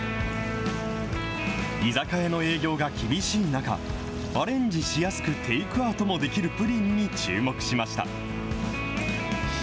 居酒屋の営業が厳しい中、アレンジしやすく、テイクアウトもできるプリンに注目しました。